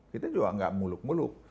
kita juga nggak muluk muluk